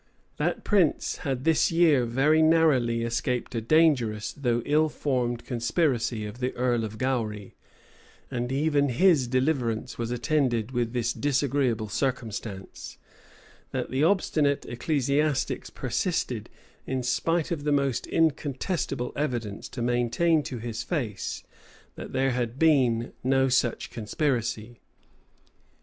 That prince had this year very narrowly escaped a dangerous, though ill formed conspiracy of the earl of Gowry; and even his deliverance was attended with this disagreeable circumstance, that the obstinate ecclesiastics persisted, in spite of the most incontestable evidence, to maintain to his face, that there had been no such conspiracy.